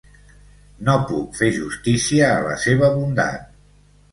No puc fer justícia a la seva bondat.